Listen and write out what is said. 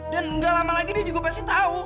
dan nggak lama lagi dia juga pasti tahu